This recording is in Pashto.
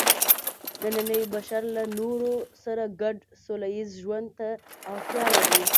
نننی بشر له نورو سره ګډ سوله ییز ژوند ته اړتیا لري.